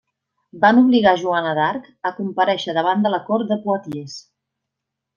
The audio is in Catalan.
Van obligar Joana d'Arc a comparèixer davant de la cort de Poitiers.